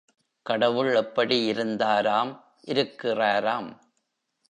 கடவுள் எப்படி இருந்தாராம் இருக்கிறாராம்?